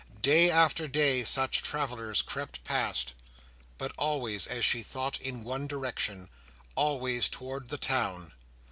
Day after day, such travellers crept past, but always, as she thought, in one direction—always towards the town.